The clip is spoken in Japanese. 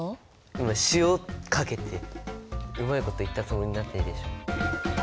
今「塩」かけてうまいこと言ったつもりになってるでしょ。